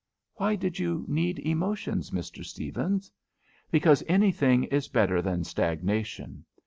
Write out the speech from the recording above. "Why did you need emotions, Mr. Stephens'?" "Because anything is better than stagnation.